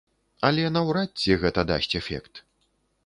Але наўрад ці гэта дасць эфект.